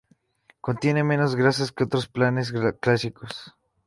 Contiene menos grasas que otros panes clásicos.